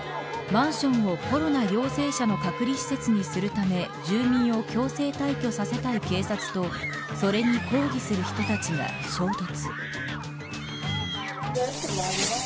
マンションをコロナ陽性者の隔離施設にするため住民を強制退去させたい警察とそれに抗議する人たちが衝突。